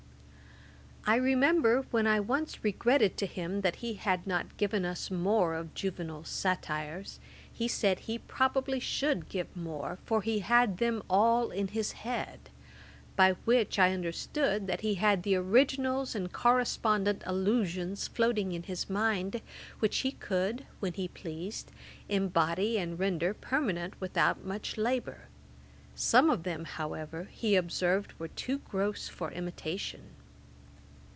] I remember when I once regretted to him that he had not given us more of Juvenal's Satires, he said he probably should give more, for he had them all in his head; by which I understood that he had the originals and correspondent allusions floating in his mind, which he could, when he pleased, embody and render permanent without much labour. Some of them, however, he observed were too gross for imitation.